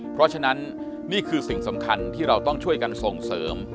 เพราะฉะนั้นนี่คือสิ่งสำคัญที่เราต้องช่วยกันส่งเสริม